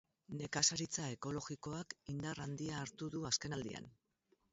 Nekazaritza ekologikoak indar handia hartu du azkenaldian.